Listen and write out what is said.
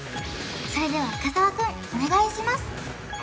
それでは深澤くんお願いします